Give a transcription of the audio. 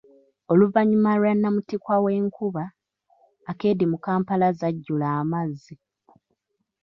Oluvannyuma lwa namuttikwa w'enkuba, akeedi mu kampala zajjula amazzi.